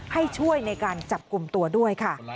ให้ช่วยในการจับกลุ่มตัวด้วยค่ะ